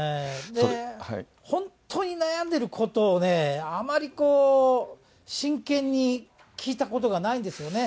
本当に悩んでることをね、あまり真剣に聞いたことがないんですよね。